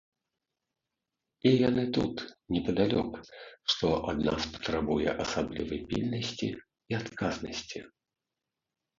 І яны тут, непадалёк, што ад нас патрабуе асаблівай пільнасці і адказнасці.